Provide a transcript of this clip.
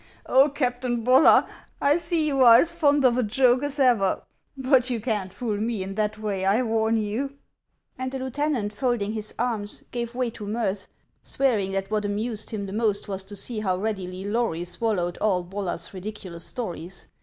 Oh, Captain Bollar, I see you are as fond of a joke as ever ! But you can't fool me in that way, I warn you." HANS OF ICELAND. 335 And the lieutenant, folding his arms, gave way to mirth, swearing that what amused him the most was to see how readily Lory swallowed all Bollar's ridiculous stories.